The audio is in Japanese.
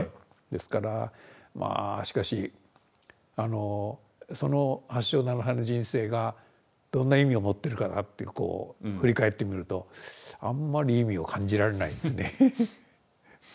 ですからまあしかしその８勝７敗の人生がどんな意味を持っているかなってこう振り返ってみるとあんまり意味を感じられないんですね。